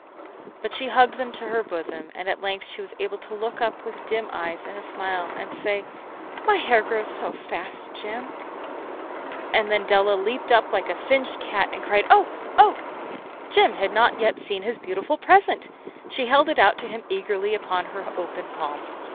But she hugged them to her bosom, and at length she was able to look up with dim eyes and a smile and say: "My hair grows so fast, Jim!" And then Della leaped up like a little singed cat and cried, "Oh, Oh!" Jim had not yet seen his beautiful present. She held it out to him eagerly upon her open palm.